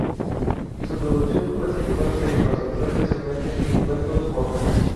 Su producción como escritor se concentró especialmente en cuentos cortos.